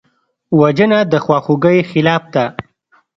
وژنه د خواخوږۍ خلاف ده